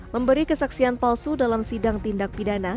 memberi kesaksian palsu dalam sidang tindak pidana